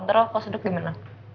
ntar aku sedek gimana